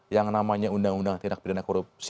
yang namanya undang undang tindak pidana korupsi